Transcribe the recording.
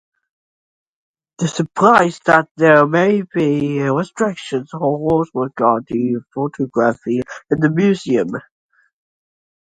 This implies that there may be restrictions or rules regarding photography in the museum.